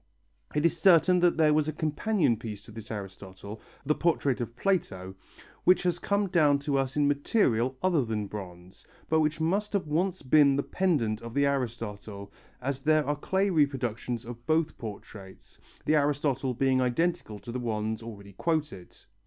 It is certain that there was a companion piece to this Aristotle, the portrait of Plato, which has come down to us in material other than bronze, but which must have once been the pendant of the Aristotle, as there are clay reproductions of both portraits, the Aristotle being identical to the ones already quoted.